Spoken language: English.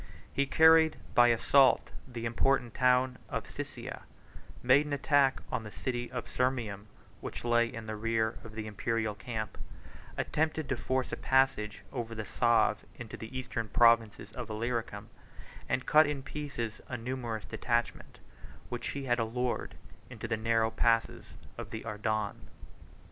He carried by assault the important town of Siscia; made an attack on the city of Sirmium, which lay in the rear of the Imperial camp, attempted to force a passage over the Save into the eastern provinces of Illyricum; and cut in pieces a numerous detachment, which he had allured into the narrow passes of Adarne.